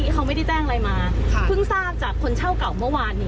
ขออนุญาตนะครับ